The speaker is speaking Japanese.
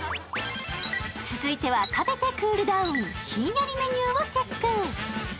続いては食べてクールダウン、ひんやりメニューをチェック。